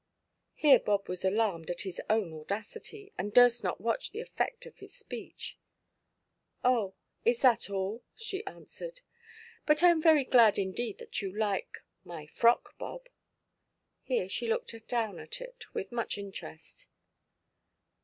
Here Bob was alarmed at his own audacity, and durst not watch the effect of his speech. "Oh, is that all?" she answered. "But I am very glad indeed that you like—my frock, Bob." Here she looked down at it, with much interest.